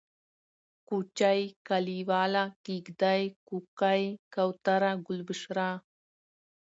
کوچۍ ، کليواله ، کيږدۍ ، کوکۍ ، کوتره ، گلبشره